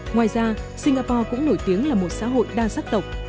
ngoài ra singapore cũng nổi tiếng là một xã hội đa sắc tộc